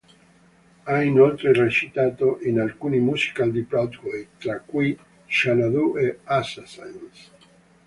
Ha inoltre recitato in alcuni musical di Broadway, tra cui "Xanadu" e "Assassins.